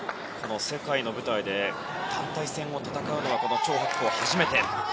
世界の舞台で団体戦を戦うのはチョウ・ハクコウ、初めて。